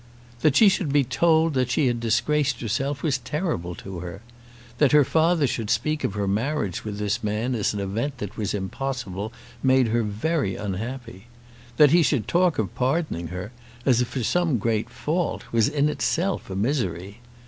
That she should be told that she had disgraced herself was terrible to her. That her father should speak of her marriage with this man as an event that was impossible made her very unhappy. That he should talk of pardoning her, as for some great fault, was in itself a misery.